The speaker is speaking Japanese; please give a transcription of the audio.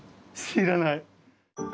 知らない。